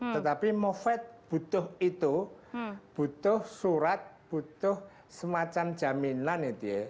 tetapi moved butuh itu butuh surat butuh semacam jaminan